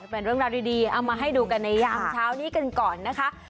เป็นเรื่องราวดีเอามาให้ดูกันในยามเช้านี้กันก่อนนะคะ